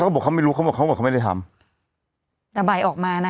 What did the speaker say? เขาบอกเขาไม่รู้เขาบอกเขาบอกเขาไม่ได้ทำแต่ใบออกมานะ